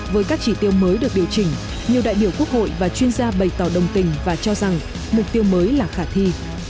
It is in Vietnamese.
với các chỉ tiêu mới được điều chỉnh nhiều đại biểu quốc hội và chuyên gia bày tỏ đồng tình và cho rằng mục tiêu mới là khả thi